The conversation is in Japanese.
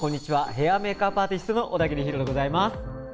ヘア＆メイクアップアーティストの小田切ヒロでございます。